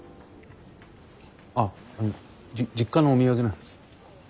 あ実家のお土産なんです。